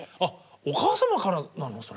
お母様からなの？